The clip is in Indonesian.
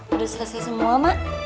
udah selesai semua mak